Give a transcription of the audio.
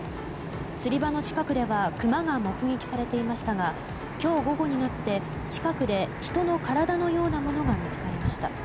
釣り場の近くではクマが目撃されていましたが今日午後になって近くで人の体のようなものが見つかりました。